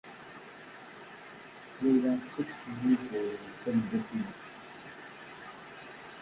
Layla tessukkes-iyi-d tameddurt-inu.